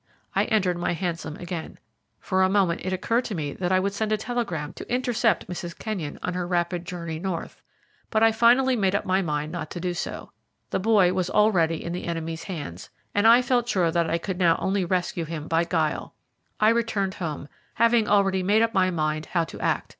I entered my hansom again. For a moment it occurred to me that I would send a telegram to intercept Mrs. Kenyon on her rapid journey north, but I finally made up my mind not to do so. The boy was already in the enemy's hands, and I felt sure that I could now only rescue him by guile. I returned home, having already made up my mind how to act.